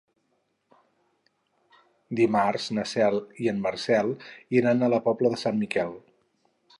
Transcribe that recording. Dimarts na Cel i en Marcel iran a la Pobla de Sant Miquel.